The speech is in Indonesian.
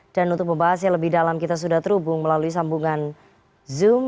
dan untuk membahas yang lebih dalam kita sudah terhubung melalui sambungan zoom